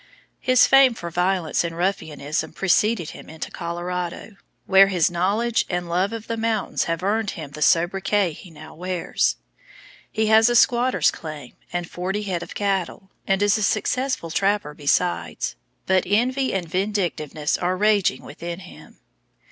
His fame for violence and ruffianism preceded him into Colorado, where his knowledge of and love of the mountains have earned him the sobriquet he now bears. He has a squatter's claim and forty head of cattle, and is a successful trapper besides, but envy and vindictiveness are raging within him.